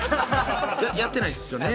やってないっすよね？